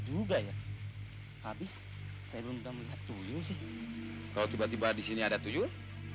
susah juga ya habis saya belum lihat tuyul sih kau tiba tiba di sini ada tujuh